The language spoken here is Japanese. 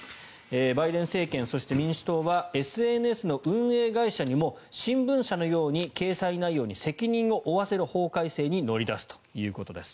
バイデン政権そして、民主党はＳＮＳの運営会社にも新聞社のように掲載内容に責任を負わせる法改正に乗り出すということです。